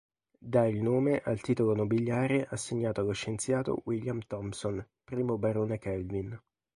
Dà il nome al titolo nobiliare assegnato allo scienziato William Thomson, I barone Kelvin.